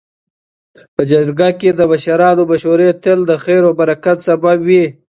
. په جرګه کي د مشرانو مشورې تل د خیر او برکت سبب وي.